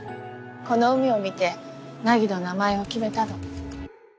この海を見て凪の名前を決めたの。